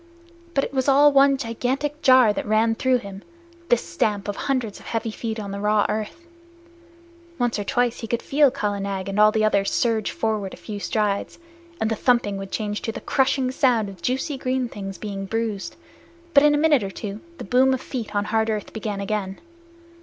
But it was all one gigantic jar that ran through him this stamp of hundreds of heavy feet on the raw earth. Once or twice he could feel Kala Nag and all the others surge forward a few strides, and the thumping would change to the crushing sound of juicy green things being bruised, but in a minute or two the boom of feet on hard earth began again.